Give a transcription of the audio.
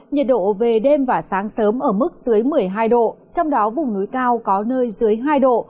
nhiệt độ về đêm và sáng sớm ở mức dưới một mươi hai độ trong đó vùng núi cao có nơi dưới hai độ